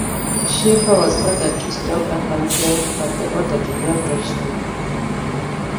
Sheffer was ordered to stop advancing, but the order did not reach him.